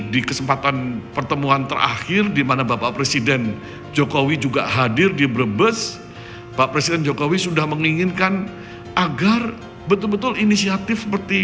di kesempatan pertemuan terakhir di mana bapak presiden jokowi juga hadir di brebes pak presiden jokowi sudah menginginkan agar betul betul inisiatif seperti ini